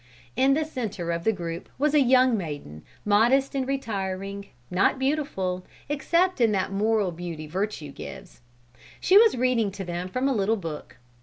In the centre of the group was a young maiden, modest and retiring, not beautiful, except in that moral beauty virtue gives. She was reading to them from a little book.